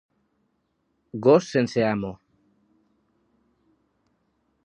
Gos sense amo.